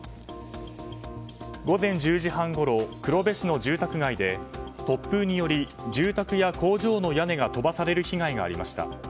午前１０時半ごろ黒部市の住宅街で突風により住宅や工場の屋根が飛ばされる被害がありました。